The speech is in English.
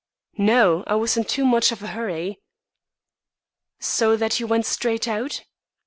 "No, I was in too much of a hurry." "So that you went straight out?"